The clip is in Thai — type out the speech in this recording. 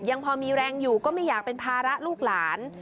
ยังพอมีแรงอยู่ก็ไม่อยากเป็นภาระลูกหลาน